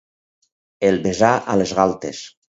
El besà a les galtes.